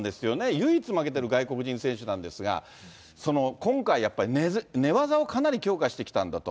唯一、負けてる外国人選手なんですが、その今回、やっぱり寝技をかなり強化してきたんだと。